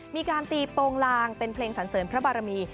มีการตีโปรงลางเป็นเพลงสันเสริญพระบารมี